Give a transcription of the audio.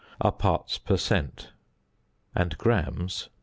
are parts per cent.; and grams (15.